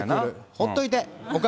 ほっといて。